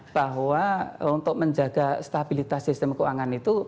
bahwa untuk menjaga stabilitas sistem keuangan itu